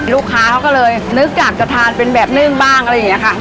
ลูกค้าเขาก็เลยนึกอยากจะทานเป็นแบบนึ่งบ้างอะไรอย่างนี้ค่ะ